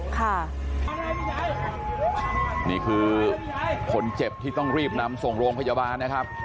ค่ะนี่คือคนเจ็บที่ต้องรีบนำส่งโรงพยาบาลนะครับ